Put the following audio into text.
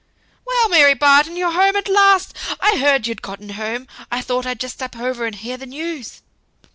"Well, Mary Barton! You're home at last! I heard you'd getten home; so I thought I'd just step over and hear the news."